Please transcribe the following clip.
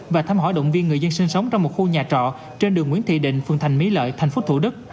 và thăm hỏi động viên người dân sinh sống trong một khu nhà trọ trên đường nguyễn thị định phường thành mý lợi thành phố thủ đức